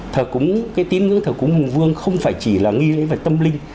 thở cúng cái tín ngưỡng thở cúng hùng vương không phải chỉ là nghi lễ về tâm linh